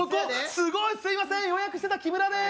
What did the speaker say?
すごいそやですいません予約してた木村です